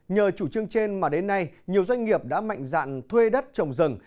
nhờ chủ trương trên mà đến nay nhiều doanh nghiệp đã mạnh dạn thuê đất trồng rừng